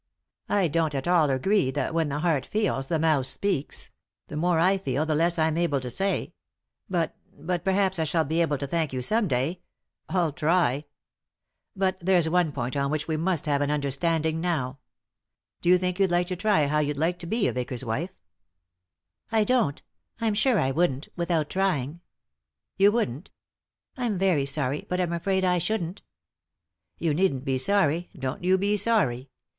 I don't at all agree that what the heart feels the mouth speaks — the more I feel the less I'm able to say ; but — but perhaps 1 shall be able to thank you some day — I'll try. But there's one point on which we must have an under standing, now. Do you think you'd like to try how you'd like to be a vicar's wife f " "I don't — I'm sure I wouldn't, without trying." "You wouldn't?" " I'm very sorry, but I'm afraid I shouldn't." " You needn't be sorry ; don't you be sorry.